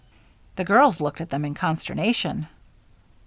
The girls looked at them in consternation.